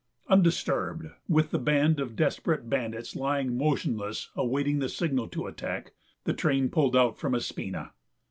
Undisturbed, with the band of desperate bandits lying motionless, awaiting the signal to attack, the train pulled out from Espina.